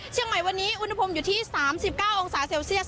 เชียงใหม่วันนี้อุณหภูมิอยู่ที่๓๙องศาเซลเซียส